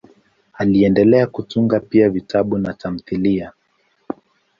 Aliendelea kutunga pia vitabu na tamthiliya.